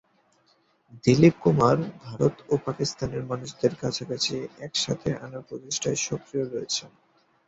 দিলীপ কুমার ভারত ও পাকিস্তানের মানুষদের কাছাকাছি একসাথে আনার প্রচেষ্টায় সক্রিয় রয়েছেন।